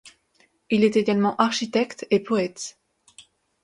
Il est également architecte et poète.